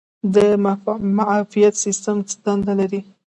د معافیت سیستم څه دنده لري؟